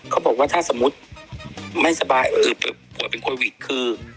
เขาบอกว่าถ้าสมมุติไม่สบายเออผัวเป็นโควิดคือ